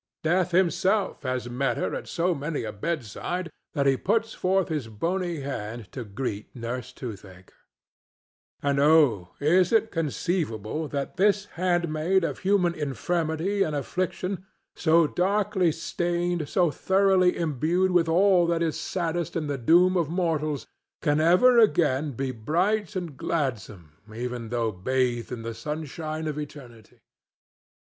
Death himself has met her at so many a bedside that he puts forth his bony hand to greet Nurse Toothaker. She is an awful woman. And oh, is it conceivable that this handmaid of human infirmity and affliction—so darkly stained, so thoroughly imbued with all that is saddest in the doom of mortals—can ever again be bright and gladsome even though bathed in the sunshine of eternity?